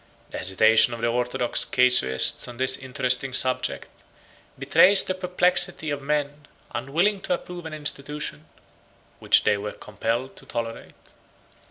The hesitation of the orthodox casuists on this interesting subject, betrays the perplexity of men, unwilling to approve an institution which they were compelled to tolerate.